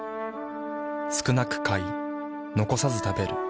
少なく買い残さず食べる。